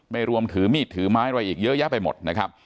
รวมถือมีดถือไม้อะไรอีกเยอะแยะไปหมดนะครับ